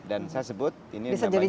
dan saya sebut bisa jadi